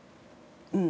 うん。